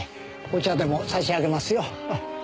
お茶でも差し上げますよ。